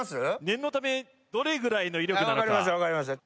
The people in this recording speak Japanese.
念のためどれぐらいの威力なのか分かりました